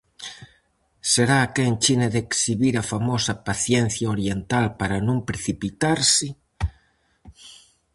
Será quen China de exhibir a famosa paciencia oriental para non precipitarse?